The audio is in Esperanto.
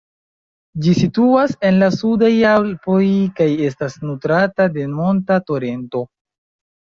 Ĝi situas en la Sudaj Alpoj kaj estas nutrata de monta torento.